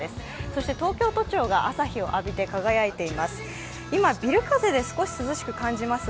そして東京都庁が朝日を浴びて輝いています。